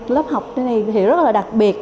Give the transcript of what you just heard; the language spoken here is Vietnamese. lớp học thế này thì rất là đặc biệt